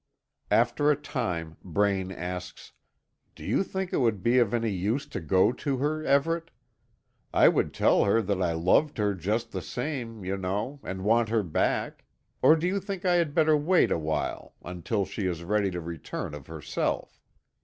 After a time, Braine asks: "Do you think it would be of any use to go to her, Everet? I would tell her that I loved her just the same, you know, and want her back; or do you think I had better wait awhile, until she is ready to return of herself?"